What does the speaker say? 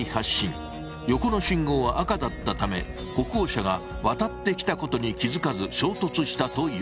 横の信号は赤だったため歩行者が渡ってきたことに気付かず衝突したという。